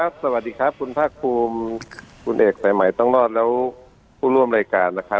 สวัสดีครับคุณภาคภูมิคุณเอกสายใหม่ต้องรอดแล้วผู้ร่วมรายการนะครับ